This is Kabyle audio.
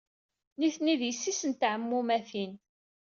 Nitenti d yessi-s n teɛmumatin.